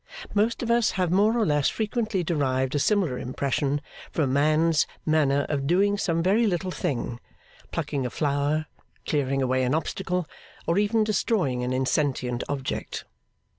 Most of us have more or less frequently derived a similar impression from a man's manner of doing some very little thing: plucking a flower, clearing away an obstacle, or even destroying an insentient object.